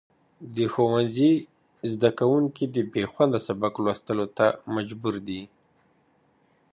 د ښوونځي زدهکوونکي د بېخونده سبق لوستلو ته مجبور دي.